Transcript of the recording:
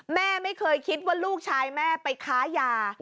แม่ไม่เคยคิดว่าลูกชายแม่ไปค้ายา